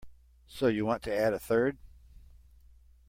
So you want to add a third?